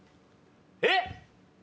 えっ